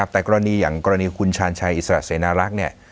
แต่กรณีอย่างกรณีคุณชาญชัยอิสระเสนารักษ์เนี่ย